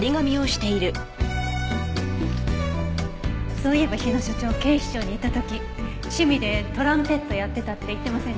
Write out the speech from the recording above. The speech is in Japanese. そういえば日野所長警視庁にいた時趣味でトランペットやってたって言ってませんでした？